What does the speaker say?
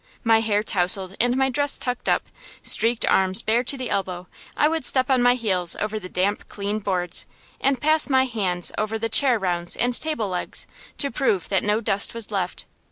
My hair tousled and my dress tucked up, streaked arms bare to the elbow, I would step on my heels over the damp, clean boards, and pass my hand over chair rounds and table legs, to prove that no dust was left.